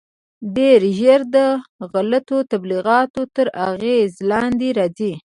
ډېر ژر د غلطو تبلیغاتو تر اغېز لاندې راځي.